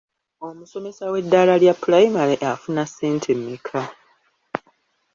Omusomesa w'eddala lya pulayimale afuna ssente mmeka?